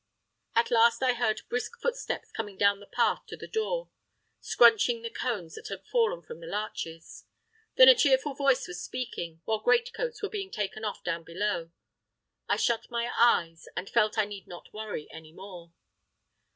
At last I heard brisk footsteps coming down the path to the door, scrunching the cones that had fallen from the larches. Then a cheerful voice was speaking, while great coats were being taken off down below. I shut my eyes, and felt I need not worry any more.